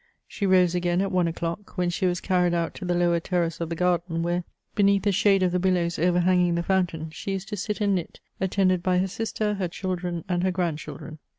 She rose again at one o'clock, when she was carried out to the lower terrace of the garden, where, beneath the shade of the willows overhanging the fountain, she used to sit and knit^ attended by her idster, her children, and her grandchildren.